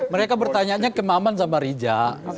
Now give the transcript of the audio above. mereka bertanya nya ke maman zambarija